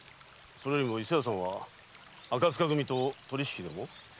それよりも伊勢屋さんは赤柄組と取り引きでも？